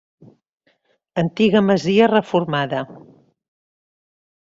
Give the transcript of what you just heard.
Antiga masia reformada.